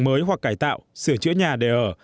mới hoặc cải tạo sửa chữa nhà để ở